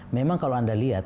memang kalau anda lihat